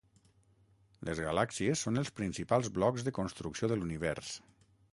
Les galàxies són els principals blocs de construcció de l’univers.